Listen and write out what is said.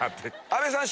阿部さん